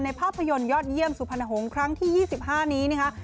ภาพยนตร์ยอดเยี่ยมสุพรรณหงษ์ครั้งที่๒๕นี้นะคะ